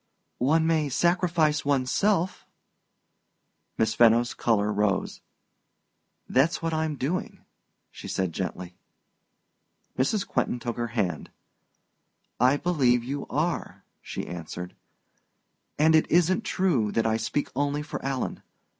"One may sacrifice one's self." Miss Fenno's color rose. "That's what I'm doing," she said gently. Mrs. Quentin took her hand. "I believe you are," she answered. "And it isn't true that I speak only for Alan.